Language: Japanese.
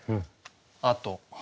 あと。